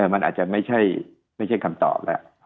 มันอาจจะไม่ใช่คำตอบแล้ว